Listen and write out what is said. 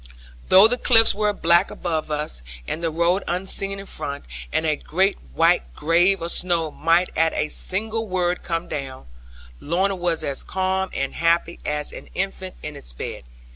Though the cliffs were black above us, and the road unseen in front, and a great white grave of snow might at a single word come down, Lorna was as calm and happy as an infant in its bed.